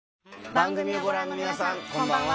番組をご覧の皆さんこんばんは。